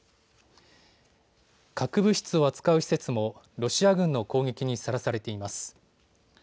核物質を扱う施設もロシア軍の攻撃にさらされています。